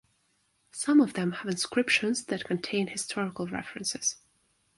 Some of them have inscriptions that contain historical references.